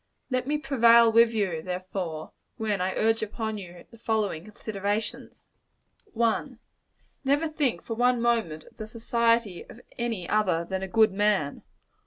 Let me prevail with you, therefore, when I urge upon you the following considerations: 1. Never think for one moment of the society of any other than a good man.